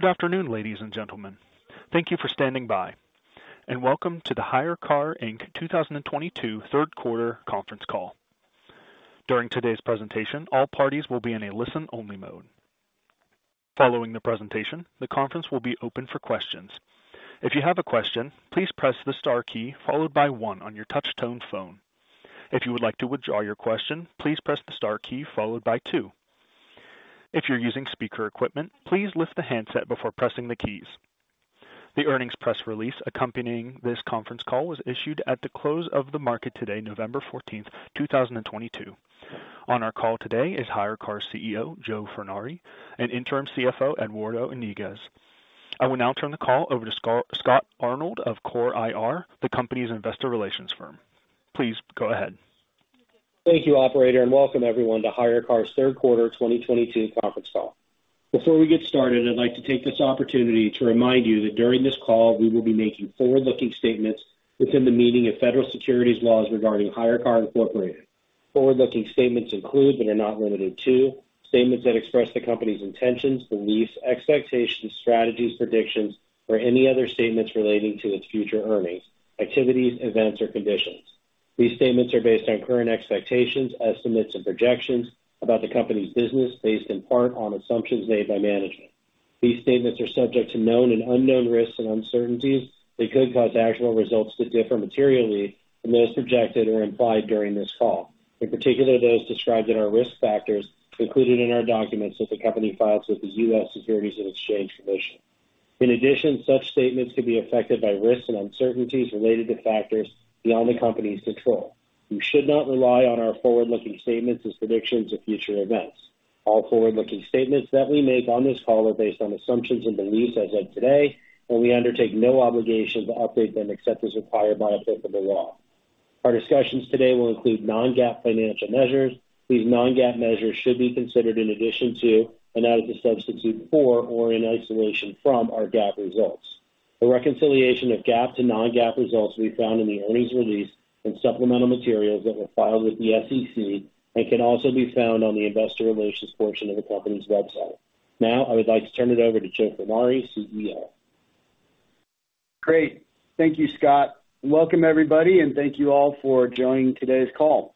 Good afternoon, ladies and gentlemen. Thank you for standing by, and welcome to the HyreCar Inc. 2022 third quarter conference call. During today's presentation, all parties will be in a listen-only mode. Following the presentation, the conference will be open for questions. If you have a question, please press the star key followed by one on your touch-tone phone. If you would like to withdraw your question, please press the star key followed by two. If you're using speaker equipment, please lift the handset before pressing the keys. The earnings press release accompanying this conference call was issued at the close of the market today, November 14, 2022. On our call today is HyreCar CEO, Joe Furnari, and Interim CFO, Eduardo Iniguez. I will now turn the call over to Scott Arnold of CORE IR, the company's investor relations firm. Please go ahead. Thank you, operator, and welcome everyone to HyreCar's third quarter 2022 conference call. Before we get started, I'd like to take this opportunity to remind you that during this call, we will be making forward-looking statements within the meaning of federal securities laws regarding HyreCar Incorporated. Forward-looking statements include, but are not limited to, statements that express the company's intentions, beliefs, expectations, strategies, predictions, or any other statements relating to its future earnings, activities, events or conditions. These statements are based on current expectations, estimates, and projections about the company's business based in part on assumptions made by management. These statements are subject to known and unknown risks and uncertainties that could cause actual results to differ materially from those projected or implied during this call, in particular those described in our risk factors included in our documents that the company files with the U.S. Securities and Exchange Commission. In addition, such statements could be affected by risks and uncertainties related to factors beyond the company's control. You should not rely on our forward-looking statements as predictions of future events. All forward-looking statements that we make on this call are based on assumptions and beliefs as of today, and we undertake no obligation to update them except as required by applicable law. Our discussions today will include non-GAAP financial measures. These non-GAAP measures should be considered in addition to and not as a substitute for or in isolation from our GAAP results. A reconciliation of GAAP to non-GAAP results will be found in the earnings release and supplemental materials that were filed with the SEC and can also be found on the investor relations portion of the company's website. Now, I would like to turn it over to Joe Furnari, CEO. Great. Thank you, Scott. Welcome everybody and thank you all for joining today's call.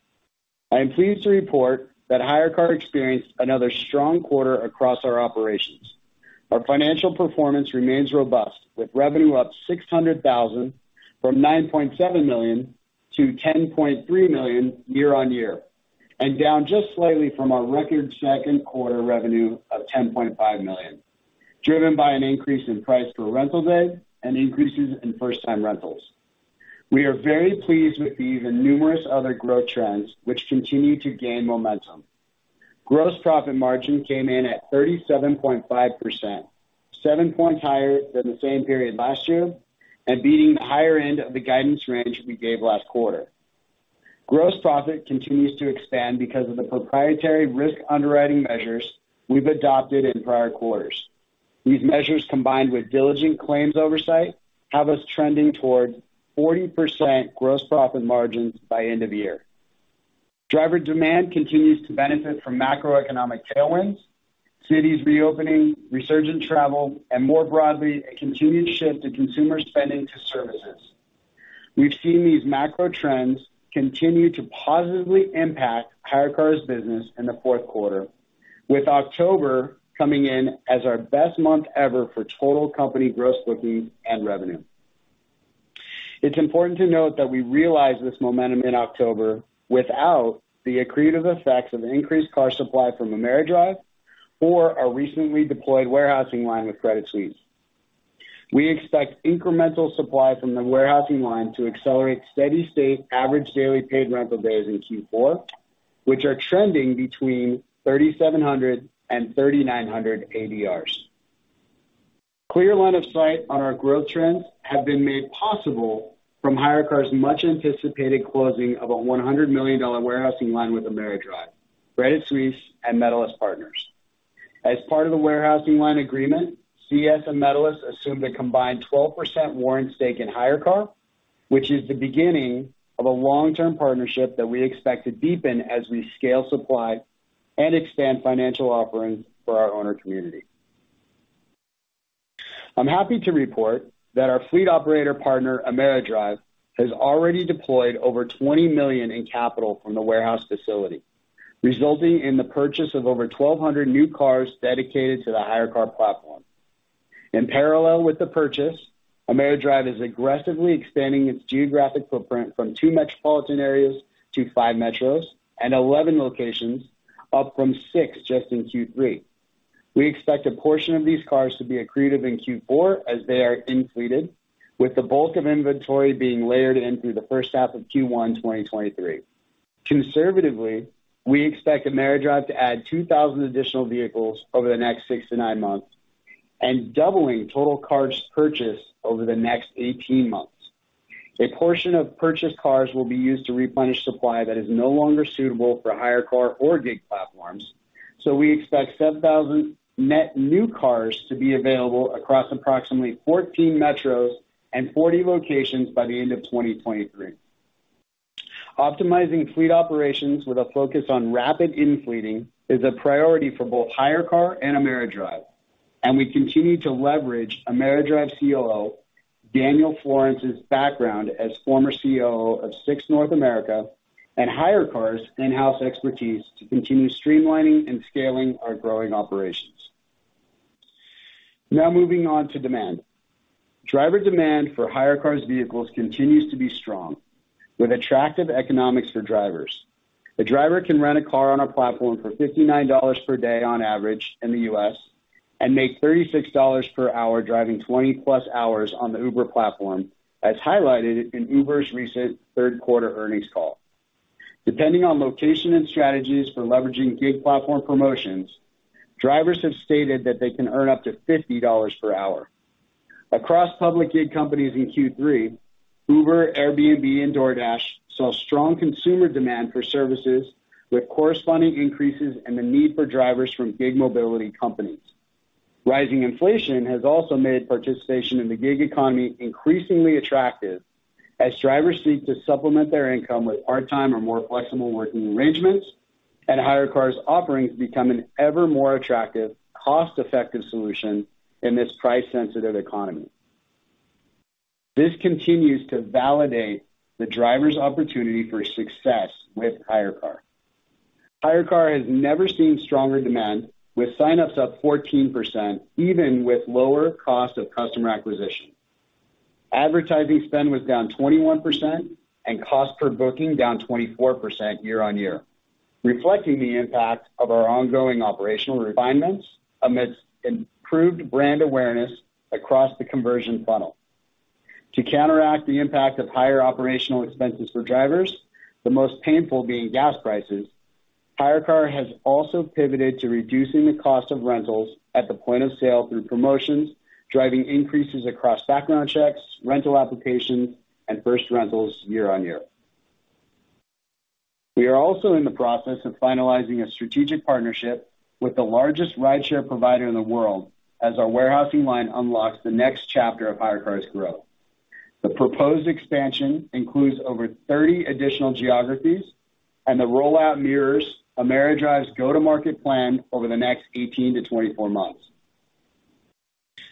I am pleased to report that HyreCar experienced another strong quarter across our operations. Our financial performance remains robust with revenue up $600,000 from $9.7 million-$10.3 million year-over-year, and down just slightly from our record second quarter revenue of $10.5 million, driven by an increase in price per rental day and increases in first-time rentals. We are very pleased with these and numerous other growth trends which continue to gain momentum. Gross profit margin came in at 37.5%, 7 points higher than the same period last year, and beating the higher end of the guidance range we gave last quarter. Gross profit continues to expand because of the proprietary risk underwriting measures we've adopted in prior quarters. These measures, combined with diligent claims oversight, have us trending toward 40% gross profit margins by end of year. Driver demand continues to benefit from macroeconomic tailwinds, cities reopening, resurgent travel, and more broadly, a continued shift in consumer spending to services. We've seen these macro trends continue to positively impact HyreCar's business in the fourth quarter, with October coming in as our best month ever for total company gross bookings and revenue. It's important to note that we realized this momentum in October without the accretive effects of increased car supply from AmeriDrive or our recently deployed warehousing line with Credit Suisse. We expect incremental supply from the warehousing line to accelerate steady state average daily paid rental days in Q4, which are trending between 3,700 and 3,900 ADRs. Clear line of sight on our growth trends have been made possible from HyreCar's much-anticipated closing of a $100 million warehouse line with AmeriDrive, Credit Suisse, and Medalist Partners. As part of the warehouse line agreement, CS and Medalist assumed a combined 12% warrant stake in HyreCar, which is the beginning of a long-term partnership that we expect to deepen as we scale supply and expand financial offerings for our owner community. I'm happy to report that our fleet operator partner, AmeriDrive, has already deployed over $20 million in capital from the warehouse facility, resulting in the purchase of over 1,200 new cars dedicated to the HyreCar platform. In parallel with the purchase, AmeriDrive is aggressively expanding its geographic footprint from two metropolitan areas to five metros and 11 locations, up from six just in Q3. We expect a portion of these cars to be accretive in Q4 as they are in-fleeted, with the bulk of inventory being layered in through the first half of Q1, 2023. Conservatively, we expect AmeriDrive to add 2,000 additional vehicles over the next six-nine months and doubling total cars purchased over the next 18 months. A portion of purchased cars will be used to replenish supply that is no longer suitable for HyreCar or gig platforms, so we expect 7,000 net new cars to be available across approximately 14 metros and 40 locations by the end of 2023. Optimizing fleet operations with a focus on rapid in-fleeting is a priority for both HyreCar and AmeriDrive, and we continue to leverage AmeriDrive COO Daniel Florence's background as former COO of Sixt North America and HyreCar's in-house expertise to continue streamlining and scaling our growing operations. Now moving on to demand. Driver demand for HyreCar's vehicles continues to be strong, with attractive economics for drivers. A driver can rent a car on our platform for $59 per day on average in the U.S. and make $36 per hour driving 20+ hours on the Uber platform, as highlighted in Uber's recent third quarter earnings call. Depending on location and strategies for leveraging gig platform promotions, drivers have stated that they can earn up to $50 per hour. Across public gig companies in Q3, Uber, Airbnb and DoorDash saw strong consumer demand for services with corresponding increases and the need for drivers from gig mobility companies. Rising inflation has also made participation in the gig economy increasingly attractive as drivers seek to supplement their income with part-time or more flexible working arrangements and HyreCar's offerings become an ever more attractive, cost-effective solution in this price-sensitive economy. This continues to validate the driver's opportunity for success with HyreCar. HyreCar has never seen stronger demand, with sign-ups up 14% even with lower cost of customer acquisition. Advertising spend was down 21% and cost per booking down 24% year-over-year, reflecting the impact of our ongoing operational refinements amidst improved brand awareness across the conversion funnel. To counteract the impact of higher operational expenses for drivers, the most painful being gas prices, HyreCar has also pivoted to reducing the cost of rentals at the point of sale through promotions, driving increases across background checks, rental applications and first rentals year-over-year. We are also in the process of finalizing a strategic partnership with the largest rideshare provider in the world as our warehouse line unlocks the next chapter of HyreCar's growth. The proposed expansion includes over 30 additional geographies and the rollout mirrors AmeriDrive's go-to-market plan over the next 18-24 months.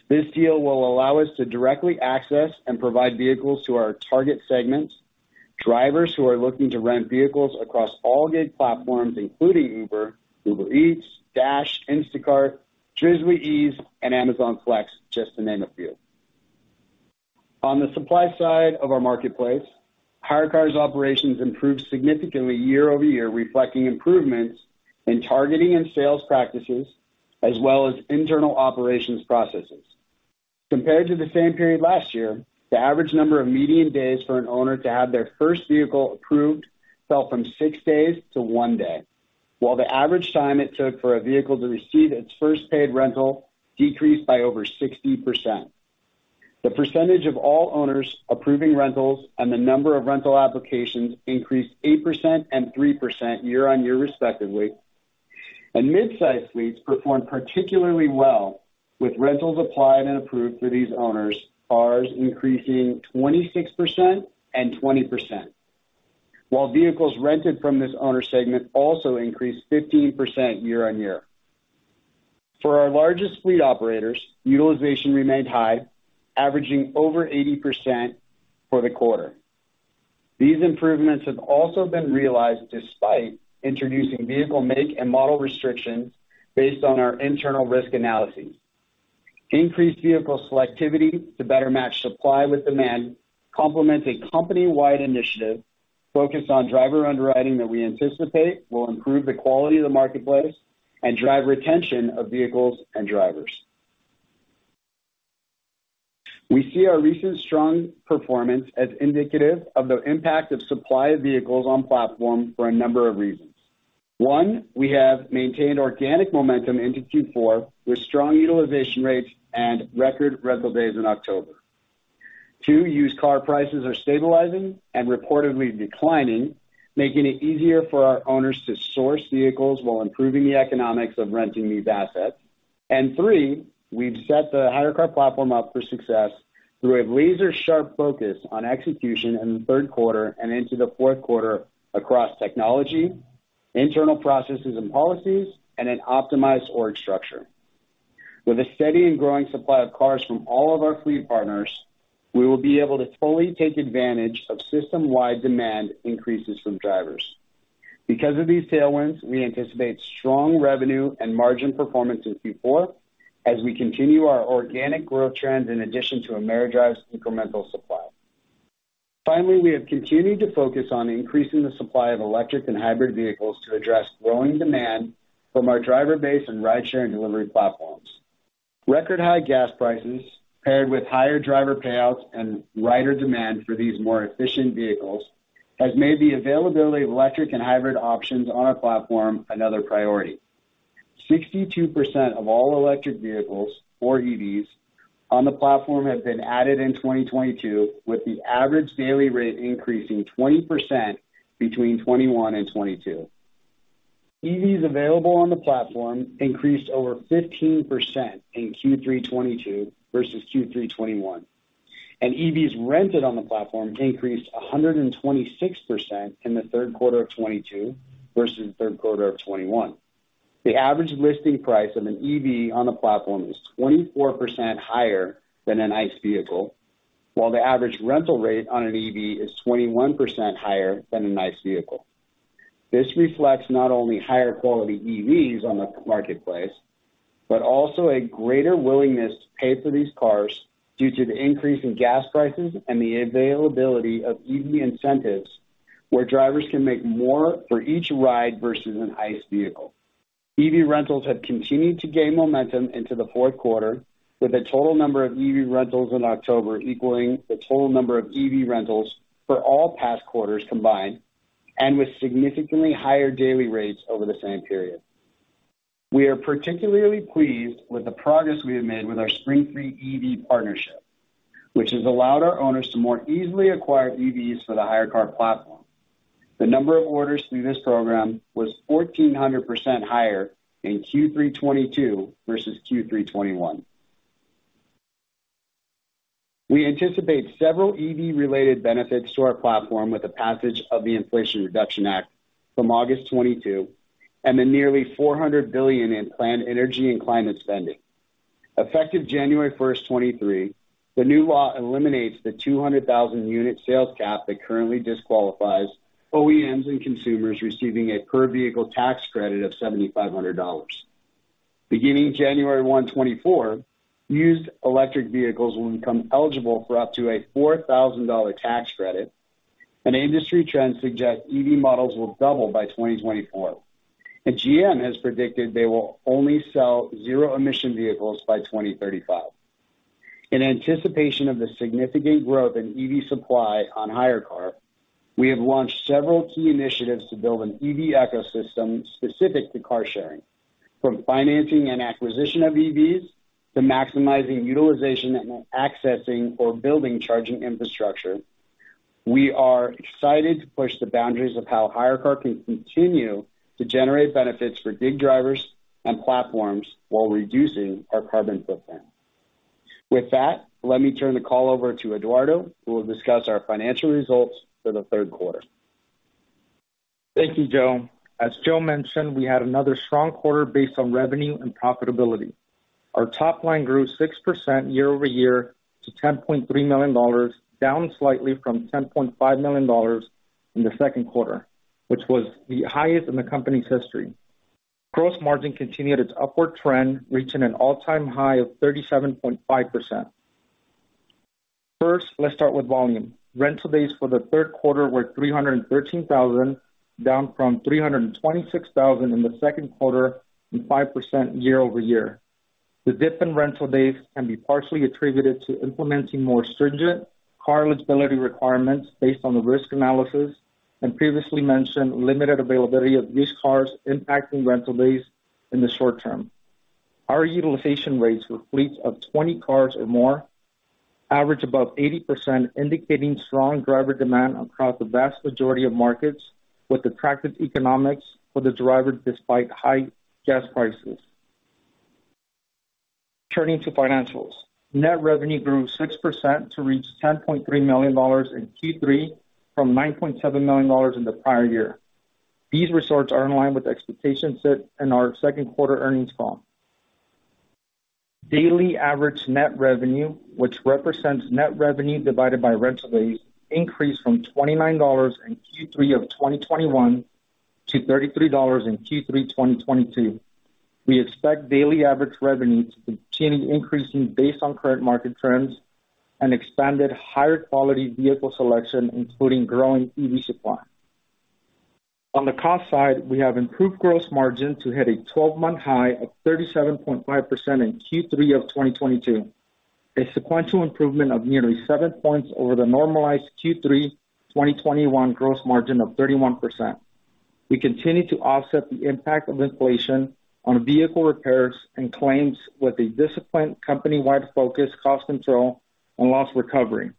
This deal will allow us to directly access and provide vehicles to our target segments, drivers who are looking to rent vehicles across all gig platforms, including Uber Eats, DoorDash, Instacart, Drizly and Amazon Flex, just to name a few. On the supply side of our marketplace, HyreCar's operations improved significantly year-over-year, reflecting improvements in targeting and sales practices as well as internal operations processes. Compared to the same period last year, the average number of median days for an owner to have their first vehicle approved fell from six days to one day, while the average time it took for a vehicle to receive its first paid rental decreased by over 60%. The percentage of all owners approving rentals and the number of rental applications increased 8% and 3% year-over-year respectively. Midsize fleets performed particularly well, with rentals applied and approved for these owners, cars increasing 26% and 20%, while vehicles rented from this owner segment also increased 15% year-on-year. For our largest fleet operators, utilization remained high, averaging over 80% for the quarter. These improvements have also been realized despite introducing vehicle make and model restrictions based on our internal risk analysis. Increased vehicle selectivity to better match supply with demand complements a company-wide initiative focused on driver underwriting that we anticipate will improve the quality of the marketplace and drive retention of vehicles and drivers. We see our recent strong performance as indicative of the impact of supply of vehicles on platform for a number of reasons. One, we have maintained organic momentum into Q4 with strong utilization rates and record rental days in October. Two, used car prices are stabilizing and reportedly declining, making it easier for our owners to source vehicles while improving the economics of renting these assets. Three, we've set the HyreCar platform up for success through a laser-sharp focus on execution in the third quarter and into the fourth quarter across technology, internal processes and policies, and an optimized org structure. With a steady and growing supply of cars from all of our fleet partners, we will be able to fully take advantage of system-wide demand increases from drivers. Because of these tailwinds, we anticipate strong revenue and margin performance in Q4 as we continue our organic growth trends in addition to AmeriDrive's incremental supply. Finally, we have continued to focus on increasing the supply of electric and hybrid vehicles to address growing demand from our driver base and rideshare and delivery platforms. Record high gas prices paired with higher driver payouts and rider demand for these more efficient vehicles has made the availability of electric and hybrid options on our platform another priority. 62% of all electric vehicles, or EVs, on the platform have been added in 2022, with the average daily rate increasing 20% between 2021 and 2022. EVs available on the platform increased over 15% in Q3 2022 versus Q3 2021. EVs rented on the platform increased 126% in the third quarter of 2022 versus the third quarter of 2021. The average listing price of an EV on the platform is 24% higher than an ICE vehicle, while the average rental rate on an EV is 21% higher than an ICE vehicle. This reflects not only higher quality EVs on the marketplace, but also a greater willingness to pay for these cars due to the increase in gas prices and the availability of EV incentives where drivers can make more for each ride versus an ICE vehicle. EV rentals have continued to gain momentum into the fourth quarter, with the total number of EV rentals in October equaling the total number of EV rentals for all past quarters combined and with significantly higher daily rates over the same period. We are particularly pleased with the progress we have made with our Spring Free EV partnership, which has allowed our owners to more easily acquire EVs for the HyreCar platform. The number of orders through this program was 1,400% higher in Q3 2022 versus Q3 2021. We anticipate several EV-related benefits to our platform with the passage of the Inflation Reduction Act from August 2022 and the nearly $400 billion in planned energy and climate spending. Effective January 1, 2023, the new law eliminates the 200,000 unit sales cap that currently disqualifies OEMs and consumers receiving a per-vehicle tax credit of $7,500. Beginning January 1, 2024, used electric vehicles will become eligible for up to a $4,000 tax credit, and industry trends suggest EV models will double by 2024. GM has predicted they will only sell zero-emission vehicles by 2035. In anticipation of the significant growth in EV supply on HyreCar, we have launched several key initiatives to build an EV ecosystem specific to car sharing, from financing and acquisition of EVs to maximizing utilization and accessing or building charging infrastructure. We are excited to push the boundaries of how HyreCar can continue to generate benefits for gig drivers and platforms while reducing our carbon footprint. With that, let me turn the call over to Eduardo, who will discuss our financial results for the third quarter. Thank you, Joe. As Joe mentioned, we had another strong quarter based on revenue and profitability. Our top line grew 6% year-over-year to $10.3 million, down slightly from $10.5 million in the second quarter, which was the highest in the company's history. Gross margin continued its upward trend, reaching an all-time high of 37.5%. First, let's start with volume. Rental days for the third quarter were 313,000, down from 326,000 in the second quarter and 5% year-over-year. The dip in rental days can be partially attributed to implementing more stringent car eligibility requirements based on the risk analysis and previously mentioned limited availability of used cars impacting rental days in the short term. Our utilization rates for fleets of 20 cars or more average above 80%, indicating strong driver demand across the vast majority of markets with attractive economics for the driver despite high gas prices. Turning to financials. Net revenue grew 6% to reach $10.3 million in Q3 from $9.7 million in the prior year. These results are in line with expectations set in our second quarter earnings call. Daily average net revenue, which represents net revenue divided by rental days, increased from $29 in Q3 of 2021 to $33 in Q3 2022. We expect daily average revenue to continue increasing based on current market trends and expanded higher-quality vehicle selection, including growing EV supply. On the cost side, we have improved gross margin to hit a 12-month high of 37.5% in Q3 of 2022, a sequential improvement of nearly 7 points over the normalized Q3 2021 gross margin of 31%. We continue to offset the impact of inflation on vehicle repairs and claims with a disciplined company-wide focus, cost control, and loss recovery.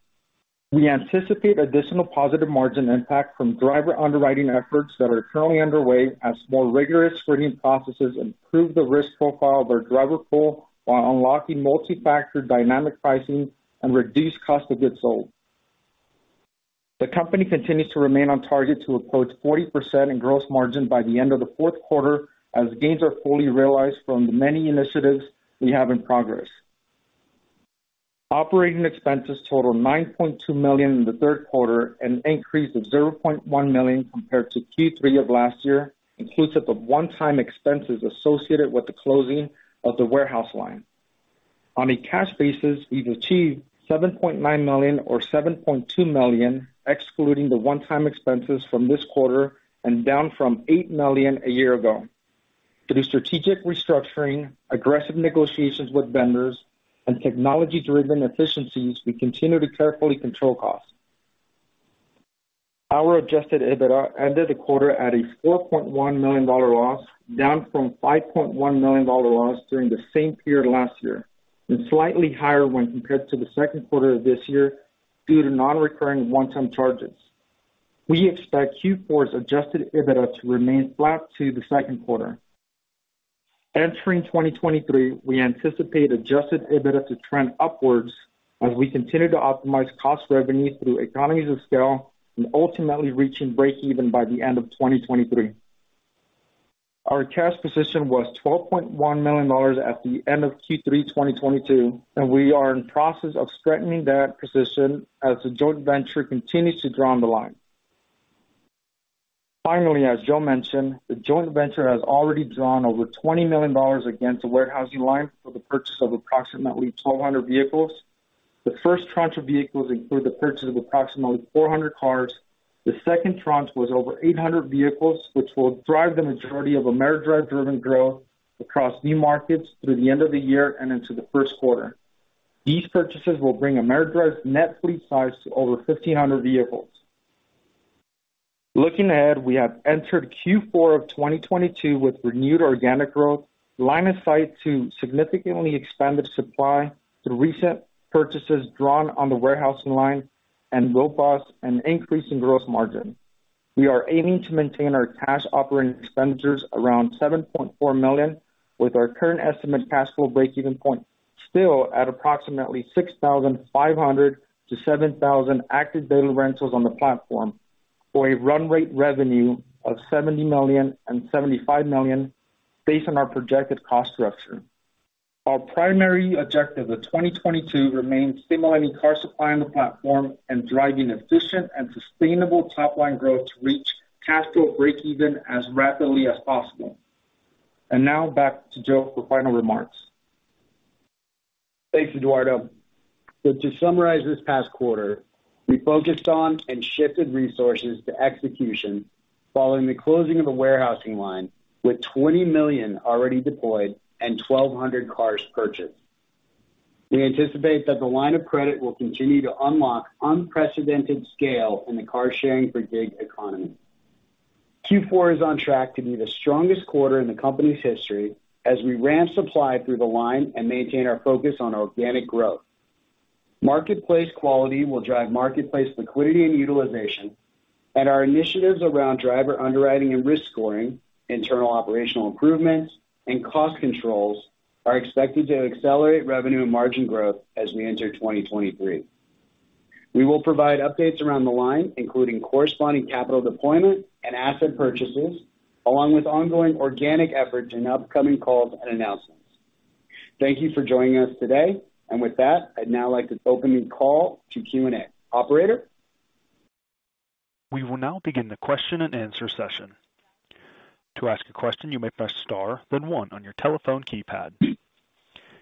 We anticipate additional positive margin impact from driver underwriting efforts that are currently underway as more rigorous screening processes improve the risk profile of our driver pool while unlocking multi-factor dynamic pricing and reduced cost of goods sold. The company continues to remain on target to approach 40% in gross margin by the end of the fourth quarter as gains are fully realized from the many initiatives we have in progress. Operating expenses totaled $9.2 million in the third quarter, an increase of $0.1 million compared to Q3 of last year, inclusive of one-time expenses associated with the closing of the warehouse line. On a cash basis, we've achieved $7.9 million or $7.2 million, excluding the one-time expenses from this quarter and down from $8 million a year ago. Through strategic restructuring, aggressive negotiations with vendors, and technology-driven efficiencies, we continue to carefully control costs. Our adjusted EBITDA ended the quarter at a $4.1 million dollar loss, down from $5.1 million dollar loss during the same period last year and slightly higher when compared to the second quarter of this year, due to non-recurring one-time charges. We expect Q4's adjusted EBITDA to remain flat to the second quarter. Entering 2023, we anticipate adjusted EBITDA to trend upwards as we continue to optimize cost revenue through economies of scale and ultimately reaching breakeven by the end of 2023. Our cash position was $12.1 million at the end of Q3 2022, and we are in process of strengthening that position as the joint venture continues to draw on the line. Finally, as Joe mentioned, the joint venture has already drawn over $20 million against the warehouse line for the purchase of approximately 1,200 vehicles. The first tranche of vehicles include the purchase of approximately 400 cars. The second tranche was over 800 vehicles, which will drive the majority of AmeriDrive driven growth across new markets through the end of the year and into the first quarter. These purchases will bring AmeriDrive's net fleet size to over 1,500 vehicles. Looking ahead, we have entered Q4 of 2022 with renewed organic growth, line of sight to significantly expanded supply through recent purchases drawn on the warehouse line and GOPass, an increase in gross margin. We are aiming to maintain our cash operating expenditures around $7.4 million, with our current estimate cash flow breakeven point still at approximately 6,500-7,000 active daily rentals on the platform, or a run rate revenue of $70 million-$75 million based on our projected cost structure. Our primary objective of 2022 remains stimulating car supply on the platform and driving efficient and sustainable top line growth to reach cash flow breakeven as rapidly as possible. Now back to Joe for final remarks. Thanks, Eduardo. To summarize this past quarter, we focused on and shifted resources to execution following the closing of the warehouse line with $20 million already deployed and 1,200 cars purchased. We anticipate that the line of credit will continue to unlock unprecedented scale in the carsharing for the gig economy. Q4 is on track to be the strongest quarter in the company's history as we ramp supply through the line and maintain our focus on organic growth. Marketplace quality will drive marketplace liquidity and utilization, and our initiatives around driver underwriting and risk scoring, internal operational improvements, and cost controls are expected to accelerate revenue and margin growth as we enter 2023. We will provide updates around the line, including corresponding capital deployment and asset purchases, along with ongoing organic efforts in upcoming calls and announcements. Thank you for joining us today. With that, I'd now like to open the call to Q&A. Operator? We will now begin the question-and-answer session. To ask a question, you may press star then one on your telephone keypad.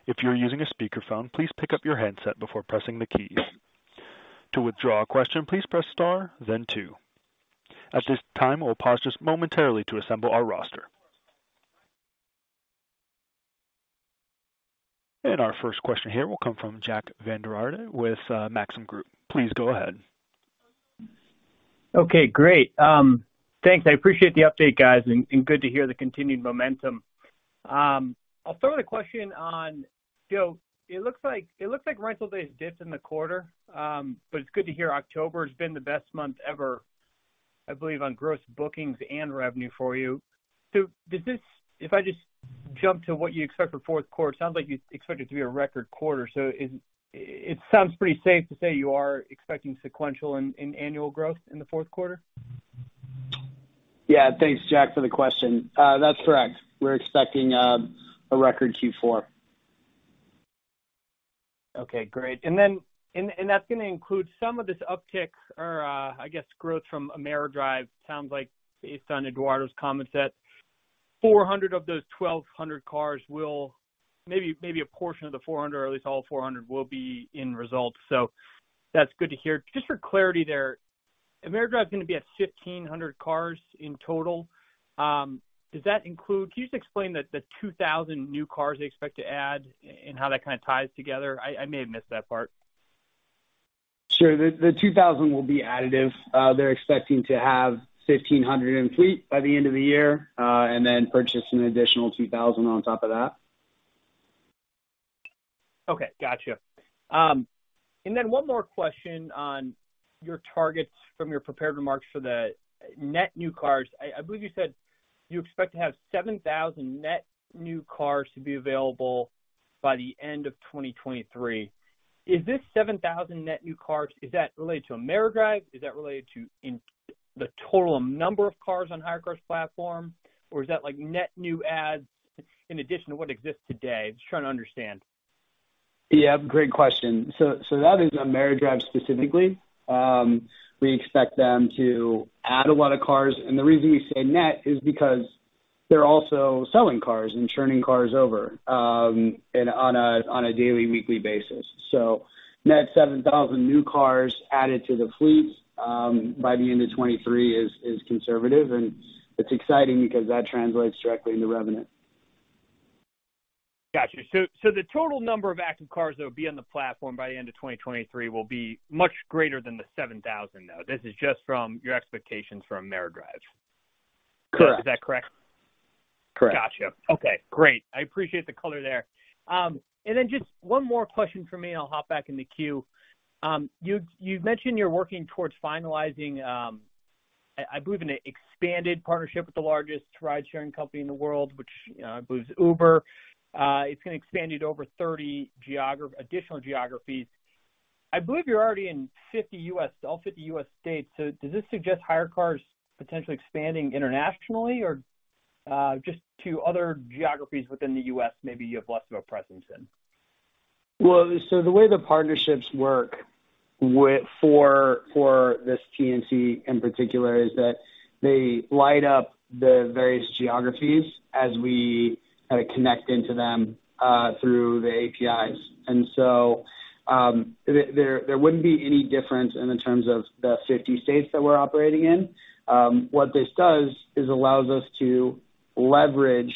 If you are using a speakerphone, please pick up your handset before pressing the keys. To withdraw a question, please press star then two. At this time, we'll pause just momentarily to assemble our roster. Our first question here will come from Jack Vander Aarde with Maxim Group. Please go ahead. Okay, great. Thanks. I appreciate the update, guys, and good to hear the continued momentum. I'll throw the question on Joe. It looks like rental days dipped in the quarter, but it's good to hear October has been the best month ever, I believe, on gross bookings and revenue for you. If I just jump to what you expect for fourth quarter, it sounds like you expect it to be a record quarter. It sounds pretty safe to say you are expecting sequential and annual growth in the fourth quarter? Yeah. Thanks, Jack, for the question. That's correct. We're expecting a record Q4. Okay, great. That's gonna include some of this uptick or, I guess growth from AmeriDrive. Sounds like based on Eduardo's comments that 400 of those 1,200 cars will maybe a portion of the 400, or at least all 400 will be in results. That's good to hear. Just for clarity there, AmeriDrive is gonna be at 1,500 cars in total. Does that include? Can you just explain the 2,000 new cars they expect to add and how that kinda ties together? I may have missed that part. Sure. The 2,000 will be additive. They're expecting to have 1,500 in fleet by the end of the year, and then purchase an additional 2,000 on top of that. Okay. Gotcha. One more question on your targets from your prepared remarks for the net new cars. I believe you said you expect to have 7,000 net new cars to be available by the end of 2023. Is this 7,000 net new cars, is that related to AmeriDrive? Is that related to the total number of cars on HyreCar's platform? Or is that like net new adds in addition to what exists today? Just trying to understand. Yeah. Great question. That is AmeriDrive specifically. We expect them to add a lot of cars. The reason we say net is because they're also selling cars and churning cars over, and on a daily, weekly basis. Net 7,000 new cars added to the fleet by the end of 2023 is conservative, and it's exciting because that translates directly into revenue. Gotcha. The total number of active cars that will be on the platform by the end of 2023 will be much greater than the 7,000, though. This is just from your expectations for AmeriDrive. Correct. Is that correct? Gotcha. Okay, great. I appreciate the color there. And then just one more question for me, I'll hop back in the queue. You've mentioned you're working towards finalizing, I believe in an expanded partnership with the largest ride-sharing company in the world, which, I believe is Uber. It's gonna expand you to over 30 additional geographies. I believe you're already in 50 U.S., all 50 U.S. states. Does this suggest HyreCar's potentially expanding internationally or, just to other geographies within the U.S. maybe you have less of a presence in? The way the partnerships work for this TNC in particular is that they light up the various geographies as we kinda connect into them through the APIs. There wouldn't be any difference in terms of the 50 states that we're operating in. What this does is allows us to leverage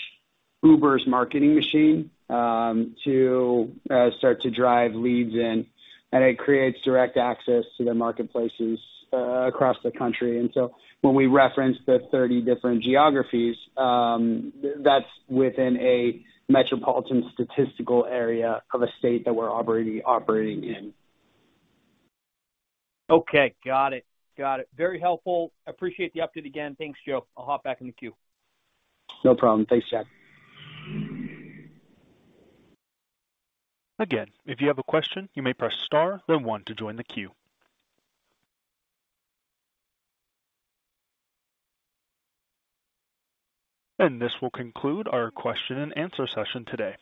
Uber's marketing machine to start to drive leads in, and it creates direct access to their marketplaces across the country. When we reference the 30 different geographies, that's within a metropolitan statistical area of a state that we're already operating in. Okay. Got it. Very helpful. Appreciate the update again. Thanks, Joe. I'll hop back in the queue. No problem. Thanks, Jack. Again, if you have a question, you may press star then one to join the queue. This will conclude our question-and-answer session today.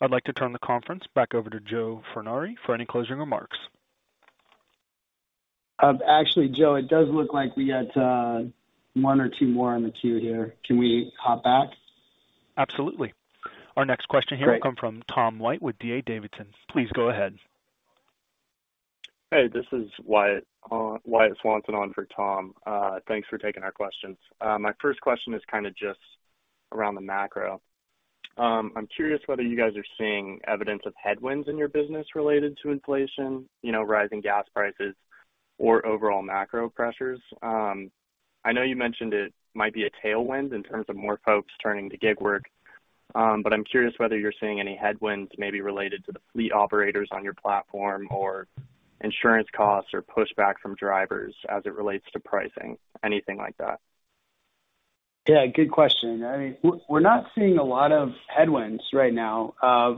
I'd like to turn the conference back over to Joe Furnari for any closing remarks. Actually, Joe, it does look like we got one or two more on the queue here. Can we hop back? Absolutely. Our next question here. Great. will come from Tom White with D.A. Davidson & Co. Please go ahead. Hey, this is Wyatt Swanson on for Tom. Thanks for taking our questions. My first question is kinda just around the macro. I'm curious whether you guys are seeing evidence of headwinds in your business related to inflation, you know, rising gas prices or overall macro pressures. I know you mentioned it might be a tailwind in terms of more folks turning to gig work, but I'm curious whether you're seeing any headwinds maybe related to the fleet operators on your platform or insurance costs or pushback from drivers as it relates to pricing. Anything like that. Yeah, good question. I mean, we're not seeing a lot of headwinds right now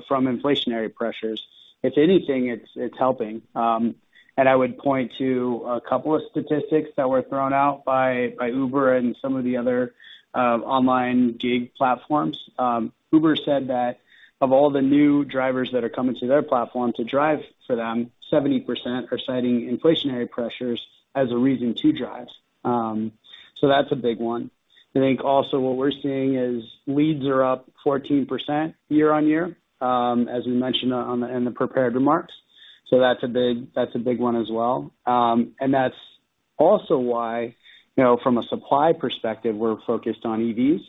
from inflationary pressures. If anything, it's helping. I would point to a couple of statistics that were thrown out by Uber and some of the other online gig platforms. Uber said that of all the new drivers that are coming to their platform to drive for them, 70% are citing inflationary pressures as a reason to drive. That's a big one. I think also what we're seeing is leads are up 14% year-on-year, as we mentioned in the prepared remarks. That's a big one as well. That's also why, you know, from a supply perspective, we're focused on EVs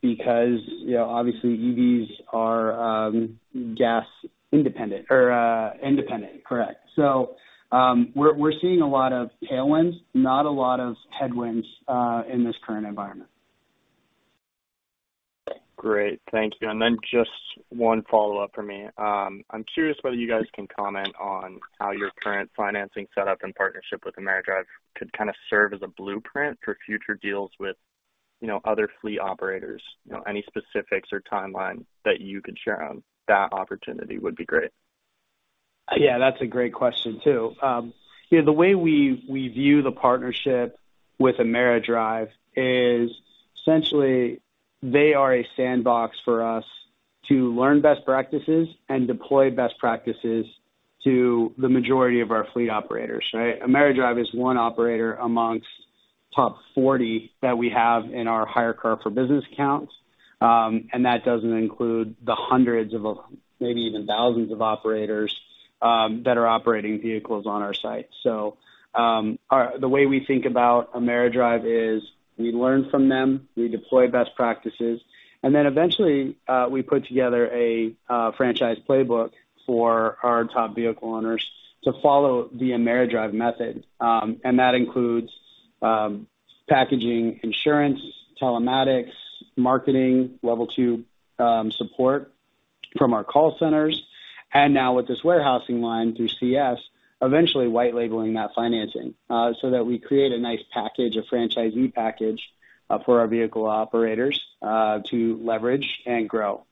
because you know, obviously, EVs are gas independent or independent. Correct. We're seeing a lot of tailwinds, not a lot of headwinds, in this current environment. Great. Thank you. Just one follow-up for me. I'm curious whether you guys can comment on how your current financing setup and partnership with AmeriDrive could kinda serve as a blueprint for future deals with, you know, other fleet operators. You know, any specifics or timeline that you could share on that opportunity would be great. Yeah, that's a great question, too. You know, the way we view the partnership with AmeriDrive is essentially they are a sandbox for us to learn best practices and deploy best practices to the majority of our fleet operators, right? AmeriDrive is one operator amongst top 40 that we have in our HyreCar for Business accounts, and that doesn't include the hundreds of or maybe even thousands of operators that are operating vehicles on our site. The way we think about AmeriDrive is we learn from them, we deploy best practices, and then eventually we put together a franchise playbook for our top vehicle owners to follow the AmeriDrive method. And that includes packaging insurance, telematics, marketing, level two support from our call centers. Now with this warehouse line through Credit Suisse, eventually white labeling that financing, so that we create a nice package, a franchisee package, for our vehicle operators, to leverage and grow.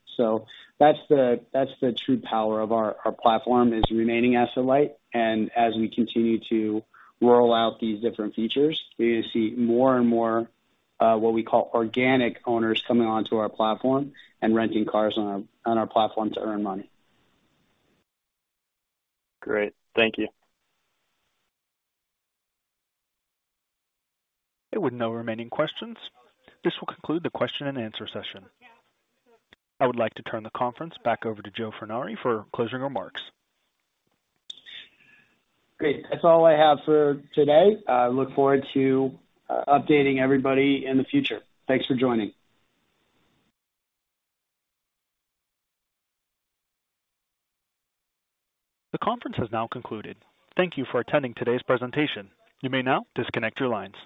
That's the true power of our platform, is remaining asset light. As we continue to roll out these different features, we see more and more, what we call organic owners coming onto our platform and renting cars on our platform to earn money. Great. Thank you. With no remaining questions, this will conclude the question-and-answer session. I would like to turn the conference back over to Joe Furnari for closing remarks. Great. That's all I have for today. I look forward to updating everybody in the future. Thanks for joining. The conference has now concluded. Thank you for attending today's presentation. You may now disconnect your lines.